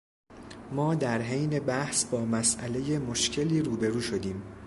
ما در حین بحث با مسئلهٔ مشکلی رو به رو شدیم.